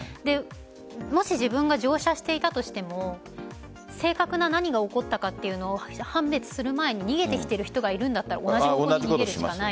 もし自分が乗車したとしても正確に何が起こったかっていうのを判別する前に逃げて来ている人がいるんだったら同じ方向に逃げるしかない。